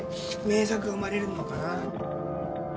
名作が生まれるのかな。